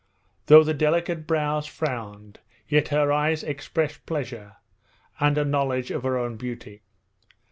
Though the delicate brows frowned, yet her eyes expressed pleasure and a knowledge of her own beauty.